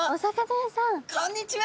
こんにちは！